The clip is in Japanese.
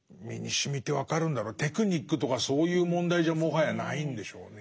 テクニックとかそういう問題じゃもはやないんでしょうね。